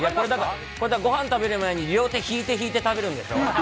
これ、ごはん食べる前に両手引いて引いて食べるんでしょ？